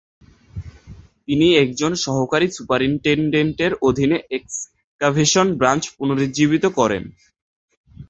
তিনি একজন সহকারী সুপারিন্টেডেন্টের অধীনে এক্সকাভেশন ব্রাঞ্চ পুনরুজ্জীবিত করেন।